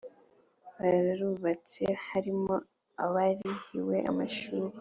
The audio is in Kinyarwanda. barubatse harimo abarihiwe amashuri